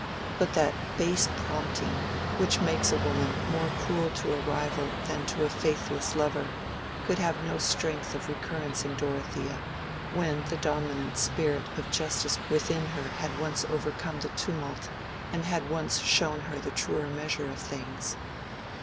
But that base prompting which makes a women more cruel to a rival than to a faithless lover, could have no strength of recurrence in Dorothea when the dominant spirit of justice within her had once overcome the tumult and had once shown her the truer measure of things.